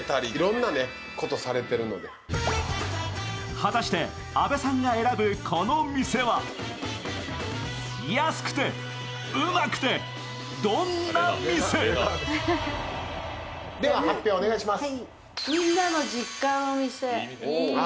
果たして、阿部さんが選ぶこの店は？安くてウマくて、どんな店？では発表をお願いします。